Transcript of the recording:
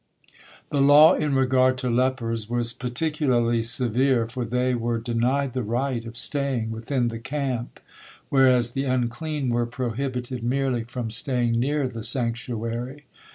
The law in regard to lepers was particularly severe, for they were denied the right of staying within the camp, whereas the unclean were prohibited merely from staying near the sanctuary.